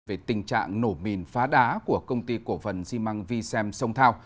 về tình trạng nổ mìn phá đá của công ty cổ phần xi măng v sem sông thao